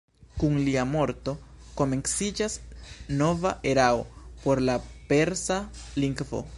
Kun lia morto komenciĝas nova erao por la persa lingvo.